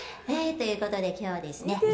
ということで今日はですね